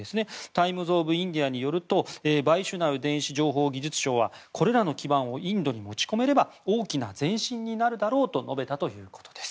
タイムズ・オブ・インディアによるとバイシュナウ電子情報技術相はこれらの基盤をインドに持ち込めれば大きな前進になるだろうと述べたということです。